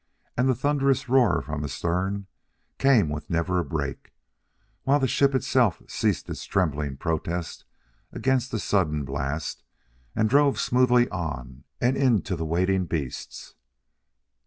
And the thunderous roar from astern came with never a break, while the ship itself ceased its trembling protest against the sudden blast and drove smoothly on and into the waiting beasts.